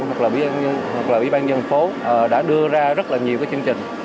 hoặc là ủy ban dân phố đã đưa ra rất là nhiều cái chương trình